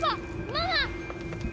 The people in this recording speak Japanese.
ママ！